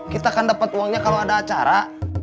kita akan dapat uangnya kalau ada acara